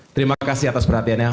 terima kasih atas perhatiannya